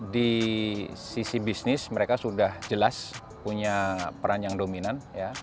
di sisi bisnis mereka sudah jelas punya peran yang dominan